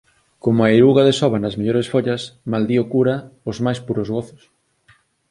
Como a eiruga desova nas mellores follas, maldí o cura os máis puros gozos.